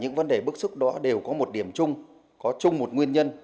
những vấn đề bức xúc đó đều có một điểm chung có chung một nguyên nhân